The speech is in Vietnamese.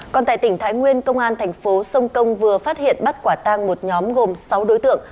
còn tại tỉnh thái nguyên công an thành phố sông công vừa phát hiện bắt quả tang một nhóm gồm sáu đối tượng